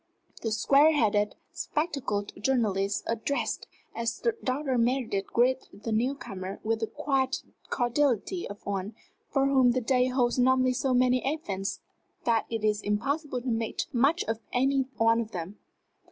The square headed, spectacled journalist addressed as Dr. Meredith greeted the new comer with the quiet cordiality of one for whom the day holds normally so many events that it is impossible to make much of any one of them.